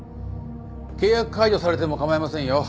契約解除されても構いませんよ。